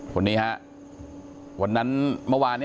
คนนี้ฮะวันนั้น